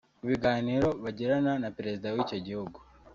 Mu biganiro bagirana na perezida w’icyo gihugu